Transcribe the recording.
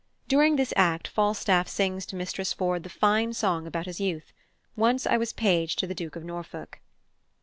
During this act Falstaff sings to Mistress Ford the fine song about his youth, "Once I was page to the Duke of Norfolk."